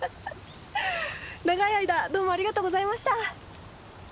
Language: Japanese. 長い間どうもありがとうございました。